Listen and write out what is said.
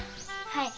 はい。